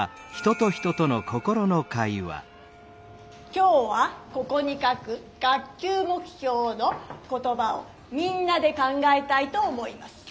今日はここに書く学級目標の言ばをみんなで考えたいと思います。